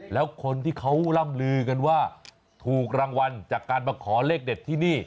แล้วคนที่เขาร่ำลือกันว่าถูกรางวัลจากการมาขอเลขเด็ดที่นี่